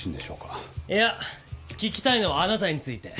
いや聞きたいのはあなたについて。